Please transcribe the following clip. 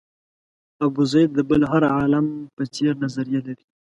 ابوزید د بل هر عالم په څېر نظریې لرلې.